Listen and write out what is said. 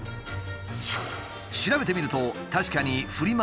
調べてみると確かにフリマ